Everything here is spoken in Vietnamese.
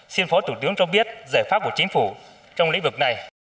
xin phó thủ tướng cho biết giải pháp của chính phủ trong lĩnh vực này